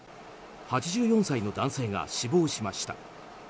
８４歳の男性が死亡しました。